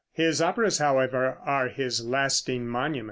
His operas, however, are his lasting monument.